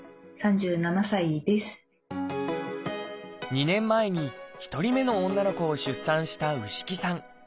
２年前に１人目の女の子を出産した牛木さん。